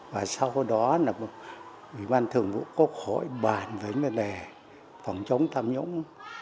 và sau đó là ủy ban thượng vụ quốc hội bàn với vấn đề phòng chống tham nhũng